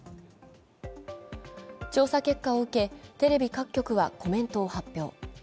調査結果を受け、テレビ各局はコメントを発表。